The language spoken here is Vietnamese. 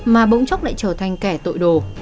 mà bỗng chốc lại trở thành kẻ tội đồ